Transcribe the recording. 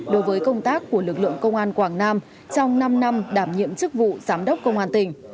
đối với công tác của lực lượng công an quảng nam trong năm năm đảm nhiệm chức vụ giám đốc công an tỉnh